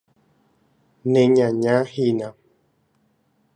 Neñañahína.